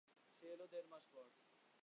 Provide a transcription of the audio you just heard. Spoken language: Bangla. সে এল দেড় মাস পর।